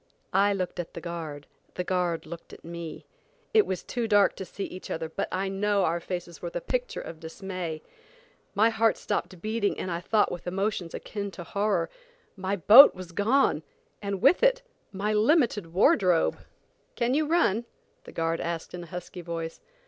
I looked at the guard, the guard looked at me. It was too dark to see each other, but I know our faces were the picture of dismay. My heart stopped beating and I thought with emotions akin to horror, "My boat was gone–and with it my limited wardrobe!" "Can you run?" the guard asked in a husky voice.